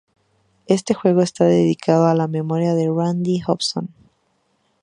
Este juego está dedicado a la memoria de: Randy Hobson.